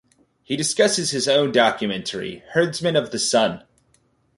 He discusses his own documentary "Herdsmen of the Sun".